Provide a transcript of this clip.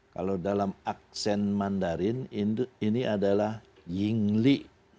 kalau dalam aksen mandarin ini adalah yingli